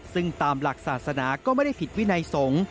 ซึ่งตามหลักศาสนาก็ไม่ได้ผิดวินัยสงฆ์